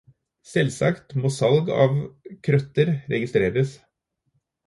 Selvsagt må salg av krøtter registreres.